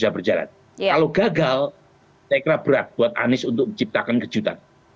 kalau gagal teka berat buat anies untuk menciptakan kejutan